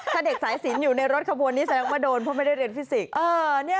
ถ้าเด็กสายสินอยู่ในรถขบวนนี้แสดงว่าโดนเพราะไม่ได้เรียนฟิสิกส์